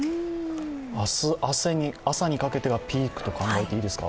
明日朝にかけてピークと考えていいですか？